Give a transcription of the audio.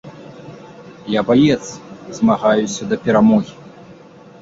Я баец, змагаюся да перамогі.